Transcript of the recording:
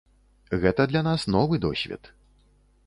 Гэта для нас новы досвед.